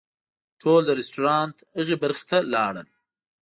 ټول د رسټورانټ هغې برخې ته لاړل.